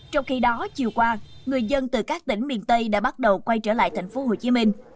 trong khi đó chiều qua người dân từ các tỉnh miền tây đã bắt đầu quay trở lại thành phố hồ chí minh